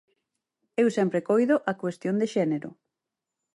Eu sempre coido a cuestión de xénero.